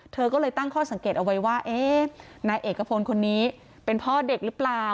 เธอก็เลยตั้งข้อสังเกตเอาไว้ว่าเอ๊ะนายเอกพลคนนี้เป็นพ่อเด็กหรือเปล่า